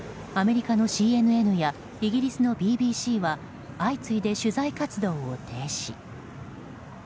アメリカのＣＮＮやイギリスのＢＢＣは相次いで取材活動を停止。